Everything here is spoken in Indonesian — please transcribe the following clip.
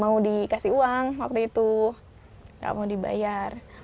mau dikasih uang waktu itu gak mau dibayar